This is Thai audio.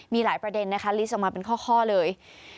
มีหลายประเด็นนะคะลิสต์ออกมาเป็นข้อเลย